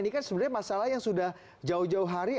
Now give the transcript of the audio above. ini kan sebenarnya masalah yang sudah jauh jauh hari